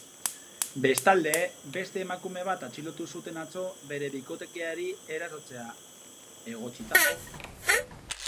Bestalde, beste emakume bat atxilotu zuten atzo bere bikotekideari erasotzea egotzita.